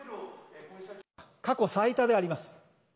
過去最多であります。